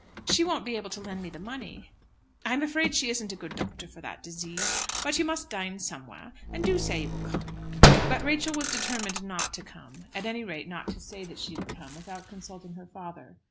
"She won't be able to lend me the money?" "I'm afraid she isn't a good doctor for that disease. But you must dine somewhere, and do say you will come." But Rachel was determined not to come, at any rate not to say that she would come without consulting her father.